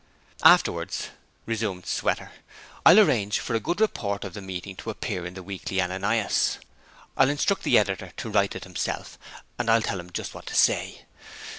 'Afterwards,' resumed Sweater, 'I'll arrange for a good report of the meeting to appear in the Weekly Ananias. I'll instruct the Editor to write it himself, and I'll tell him just what to say.